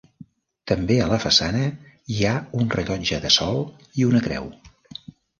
També a la façana hi ha un rellotge de sol, i una creu.